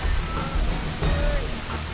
kita terus bersama